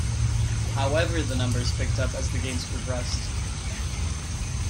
However the numbers picked up as the Games progressed.